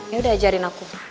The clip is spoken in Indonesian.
ya udah ajarin aku